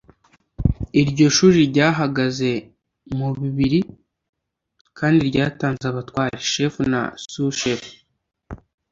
Iryo shuri ryahagaze mu bibiri, kandi ryatanze abatware (shefu na sushefu).